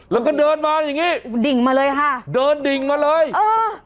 แล้วก็เดินมาอย่างงี้ดิ่งมาเลยค่ะเดินดิ่งมาเลยเออ